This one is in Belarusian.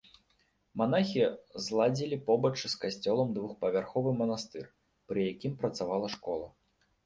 Манахі зладзілі побач з касцёлам двухпавярховы манастыр, пры якім працавала школа.